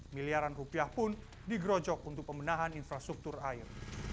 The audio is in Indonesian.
miliaran rupiah pun digerojok untuk pemenahan infrastruktur air